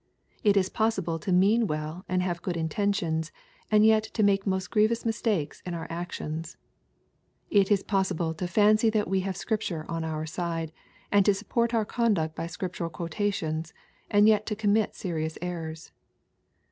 It is possible to mean well and have good intentions, and yet to make most grievous mistakes in our actions. It is possible to fancy that we have Scripture on our side, and to sapport our conduct by scriptural quotations, and yet to commit serious errors.